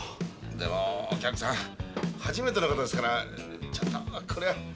でもお客さん初めての方ですからちょっとこれは。